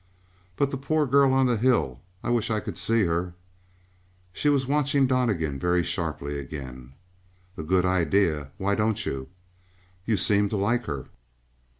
"But the poor girl on the hill; I wish I could see her." She was watching Donnegan very sharply again. "A good idea. Why don't you?" "You seem to like her?"